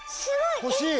欲しい！